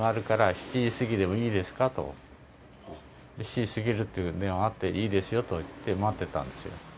７時過ぎるっていう電話があって、いいですよって言って、待ってたんですよ。